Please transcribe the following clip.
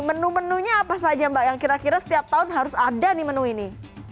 menu menunya apa saja mbak yang kira kira setiap tahun harus ada nih menu ini